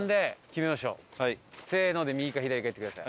「せーの」で右か左か言ってください。